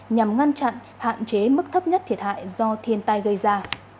nhằm ngăn chặn hạn chế mức thấp nhất thiệt hại do thiên tai gây ra